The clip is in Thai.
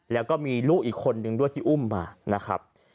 แล้วก็มีลูกอีกคนนึงด้วยที่อุ้มมานะครับ